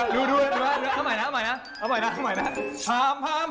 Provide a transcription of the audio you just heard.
ดูเอาใหม่นะ